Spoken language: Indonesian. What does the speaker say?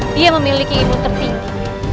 dia memiliki imun tertinggi